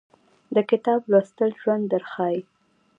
د کتاب لوستل ژوند درښایي